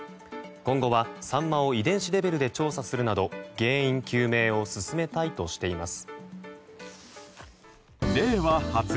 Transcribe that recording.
今後はサンマを遺伝子レベルで調査するなど原因究明を進めたいとしています。